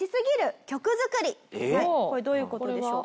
これどういう事でしょうか？